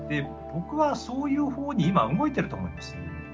僕はそういう方に今動いてると思います。